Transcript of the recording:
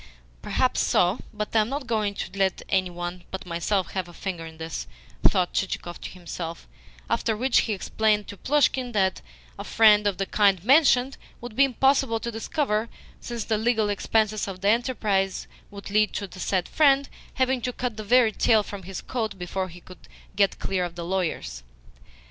"Perhaps so, but I am not going to let any one but myself have a finger in this," thought Chichikov to himself; after which he explained to Plushkin that a friend of the kind mentioned would be impossible to discover, since the legal expenses of the enterprise would lead to the said friend having to cut the very tail from his coat before he would get clear of the lawyers.